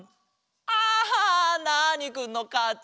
あナーニくんのかち！